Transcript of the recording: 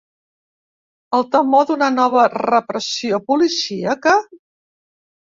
El temor d’una nova repressió policíaca?